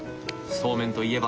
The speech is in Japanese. そうめんといえば。